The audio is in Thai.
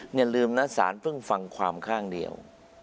อย่าลืมนะสารเพิ่งฟังความข้างเดียว